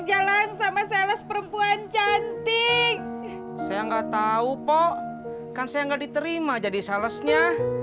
jalan sama sales perempuan cantik saya nggak tahu pok kan saya nggak diterima jadi salesnya